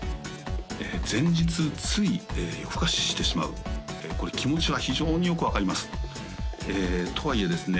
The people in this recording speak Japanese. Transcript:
前日つい夜更かししてしまうこれ気持ちは非常によく分かりますとはいえですね